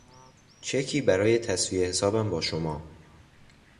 چکی برای تسویهی حسابم با شما